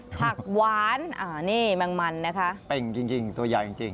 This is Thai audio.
ผักหวานนี่แมงมันนะคะเป่งจริงตัวใหญ่จริง